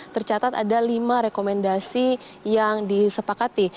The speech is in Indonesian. tercatat ada lima rekomendasi yang disepakati